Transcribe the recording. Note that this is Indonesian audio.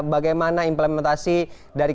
bagaimana implementasi dari